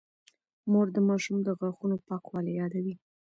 مور د ماشوم د غاښونو پاکوالی يادوي.